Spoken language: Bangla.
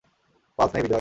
পালস নেই, বিজয়।